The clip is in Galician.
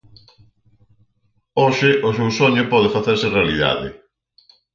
Hoxe, o seu soño pode facerse realidade.